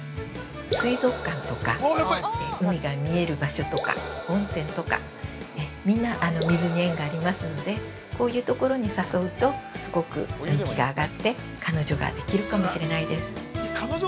水族館とか、海が見える場所とか温泉とか、みんな水に縁がありますので、こういうところに誘うと、すごく運気が上がって、彼女ができるかもしれないです。